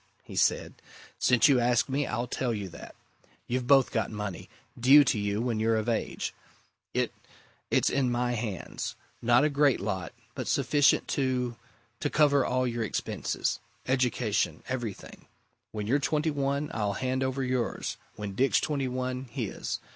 he said. "Since you ask me, I'll tell you that. You've both got money due to you when you're of age. It it's in my hands. Not a great lot but sufficient to to cover all your expenses. Education everything. When you're twenty one, I'll hand over yours when Dick's twenty one, his.